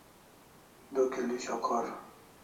Du kilo shokhor